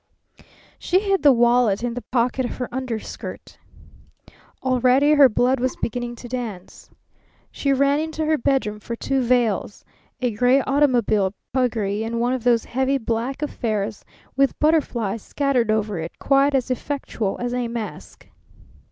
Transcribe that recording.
She hid the wallet in the pocket of her underskirt. Already her blood was beginning to dance. She ran into her bedroom for two veils, a gray automobile puggree and one of those heavy black affairs with butterflies scattered over it, quite as effectual as a mask.